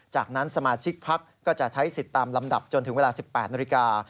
จากนั้นสมาชิกพักก็จะใช้สิทธิ์ตามลำดับจนถึงเวลา๑๘นาฬิกา